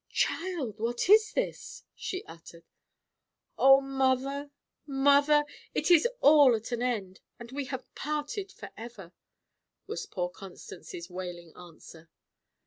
"Child! what is this?" she uttered. "Oh! mother, mother, it is all at an end, and we have parted for ever!" was poor Constance's wailing answer.